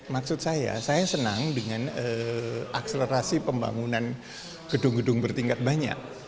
maksud saya saya senang dengan akselerasi pembangunan gedung gedung bertingkat banyak